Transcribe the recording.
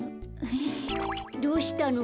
どうしたの？